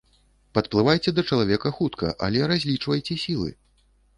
Падплывайце да чалавека хутка, але разлічвайце сілы.